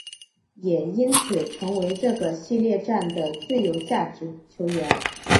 也因此成为这个系列战的最有价值球员。